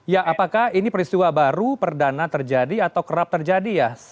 ya apakah ini peristiwa baru perdana terjadi atau kerap terjadi ya